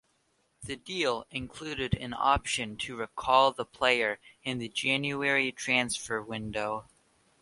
The deal included an option to recall the player in the January transfer window.